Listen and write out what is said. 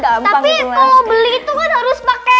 tapi kalo beli itu kan harus pake